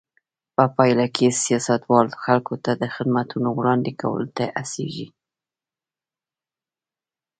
په پایله کې سیاستوال خلکو ته د خدمتونو وړاندې کولو ته هڅېږي.